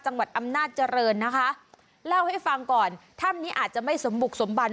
จังหวัดอำนาจเจริญนะคะเล่าให้ฟังก่อนถ้ำนี้อาจจะไม่สมบุกสมบัน